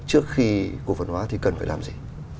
trước khi cổ phần hóa thì cần phải làm gì